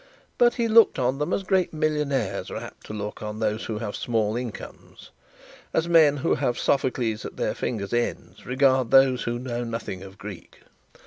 But he looked on them as great millionaires are apt to look on those who have small incomes; as men who have Sophocles at their fingers' ends regard those who know nothing of Greek.